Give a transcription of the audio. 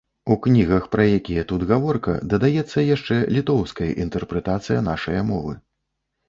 У кнігах, пра якія тут гаворка, дадаецца яшчэ літоўская інтэрпрэтацыя нашае мовы.